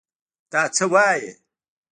دا څه وايې.